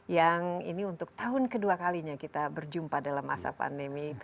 yang ini untuk tahun kedua kalinya kita berjumpa dalam masa pandemi